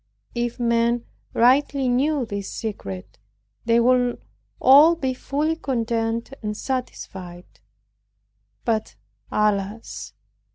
If men rightly knew this secret, they would all be fully content and satisfied. But alas!